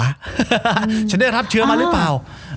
แล้วฉันได้รับเชื้อม่านรึเปล่า